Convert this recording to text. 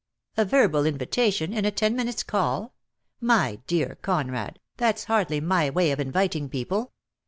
"A verbal invitation, in a ten minutes' call! My dear Conrad, that's hardly my way of inviting people."